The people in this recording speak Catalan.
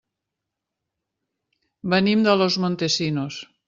Venim de Los Montesinos.